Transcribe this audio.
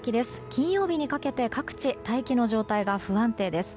金曜日にかけて各地大気の状態が不安定です。